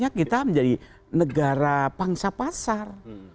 jadi kita menjadi negara pangsa pasar